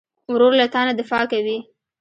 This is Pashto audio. ورور له تا نه دفاع کوي.